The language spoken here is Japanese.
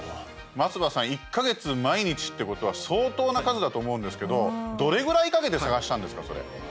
松葉さん、１か月毎日ってことは相当な数だと思うんですけどどれぐらいかけて探したんですか、それ？